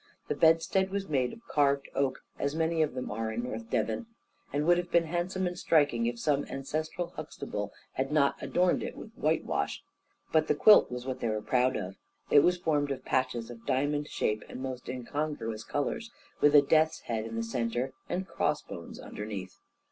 The bedstead was made of carved oak, as many of them are in North Devon, and would have been handsome and striking, if some ancestral Huxtable had not adorned it with whitewash. But the quilt was what they were proud of. It was formed of patches of diamond shape and most incongruous colours, with a death's head in the centre and crossbones underneath.